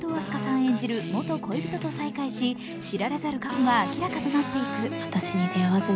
演じる元恋人と再会し、知られざる過去が明らかとなっていく。